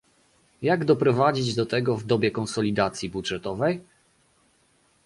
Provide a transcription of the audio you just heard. Jak doprowadzić do tego w dobie konsolidacji budżetowej?